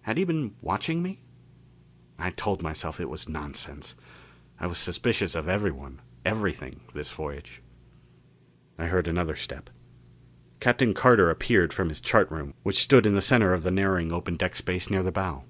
Had he been watching me? I told myself it was nonsense. I was suspicious of everyone, everything, this voyage. I heard another step. Captain Carter appeared from his chart room which stood in the center of the narrowing open deck space near the bow.